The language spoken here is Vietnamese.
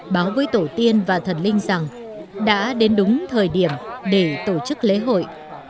báo với tổ tiên và thần linh rằng đã đến đúng thời điểm để tổ chức lễ hội